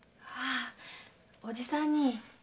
ああおじさんに。